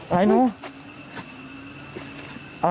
อะไรเนอะ